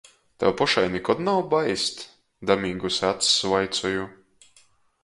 "Tev pošai nikod nav baist?" damīguse acs, vaicoju.